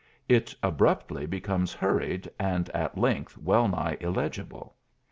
It abruptly becomes hurried, and at length well nigh illegible.